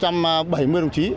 trong đó có một trăm linh đồng chí